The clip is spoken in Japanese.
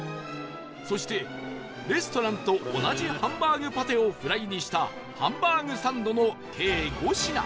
そしてレストランと同じハンバーグパテをフライにしたハンバーグサンドの計５品